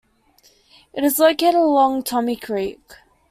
It is located along Tommy Creek.